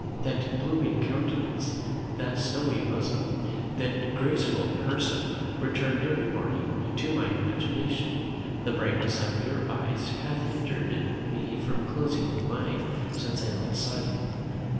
That blooming countenance, that snowy bosom, that graceful person return every moment to my imagination; the brightness of your eyes hath hindered me from closing mine since I last saw you.